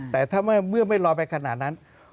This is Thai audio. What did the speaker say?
แต่ถ้าที่ท๔๐๑ไม่รอไปขนาดนั้น